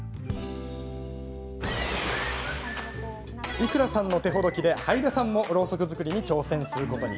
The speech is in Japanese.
伊倉さんの手ほどきではいださんもろうそく作りに挑戦することに。